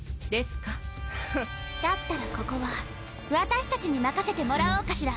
だったらここは私たちに任せてもらおうかしら。